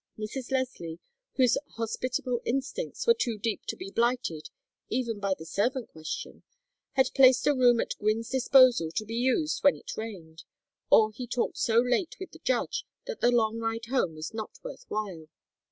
Mrs. Leslie, whose hospitable instincts were too deep to be blighted even by the servant question, had placed a room at Gwynne's disposal to be used when it rained, or he talked so late with the judge that the long ride home was not worth while.